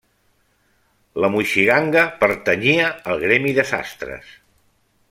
La moixiganga pertanyia al gremi de sastres.